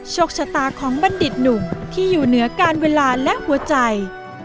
โชคชะตาของบัณฑิตหนุ่มที่อยู่เหนือการเวลาและหัวใจ